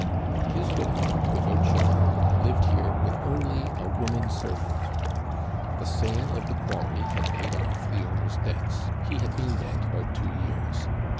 His widow, without children, lived here with only a woman servant. The sale of the quarry had paid off the owner's debts; he had been dead about two years.